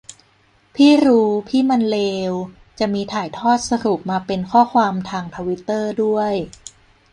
พี่รู้พี่มันเลว จะมีถ่ายทอดสรุปมาเป็นข้อความทางทวิตเตอร์ด้วย